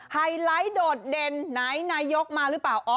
ไฮไลท์โดดเด่นไหนนายกมาหรือเปล่า